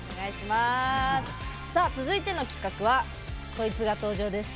続いての企画はこいつが登場です。